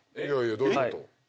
どういうこと？